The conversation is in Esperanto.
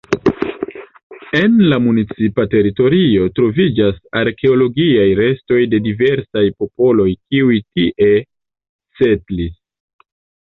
En la municipa teritorio troviĝas arkeologiaj restoj de diversaj popoloj kiuj tie setlis.